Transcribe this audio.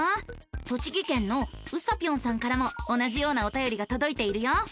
栃木県のうさぴょんさんからも同じようなおたよりがとどいているよ。